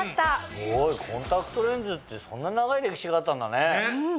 すごいコンタクトレンズってそんな長い歴史があったんだね。